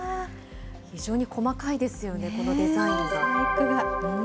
非常に細かいですよね、このデザインが。